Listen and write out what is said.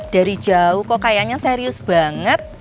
dari jauh kok kayaknya serius banget